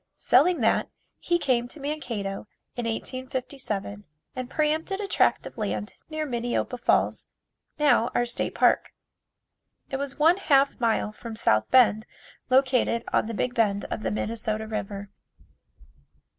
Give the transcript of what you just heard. Selling that, he came to Mankato in 1857 and pre empted a tract of land near Minneopa Falls, now our State Park. It was one half mile from South Bend, located on the big bend of the Minnesota River.